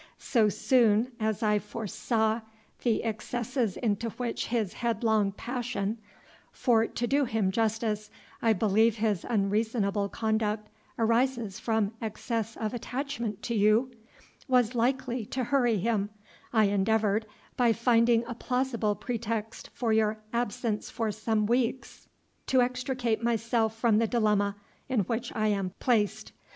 So soon as I foresaw the excesses into which his headlong passion (for, to do him justice, I believe his unreasonable conduct arises from excess of attachment to you) was likely to hurry him, I endeavoured, by finding a plausible pretext for your absence for some weeks, to extricate myself from the dilemma in which I am placed.